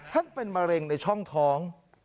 ท่านเป็นมะเร็งในช่องท้อง